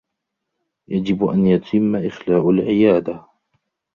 يجب أن يتمّ إخلاء العيادة.